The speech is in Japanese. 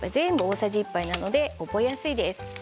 全部大さじ１杯なので覚えやすいです。